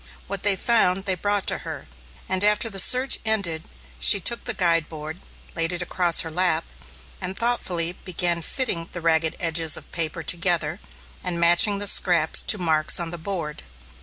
What they found, they brought to her, and after the search ended she took the guide board, laid it across her lap, and thoughtfully, began fitting the ragged edges of paper together and matching the scraps to marks on the board.